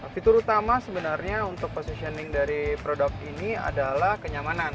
fitur utama sebenarnya untuk positioning dari produk ini adalah kenyamanan